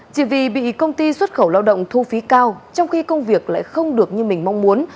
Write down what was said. chỉ vì bị công ty xuất khẩu lao động thu phí cao trong khi công việc lại không được như mình mong muốn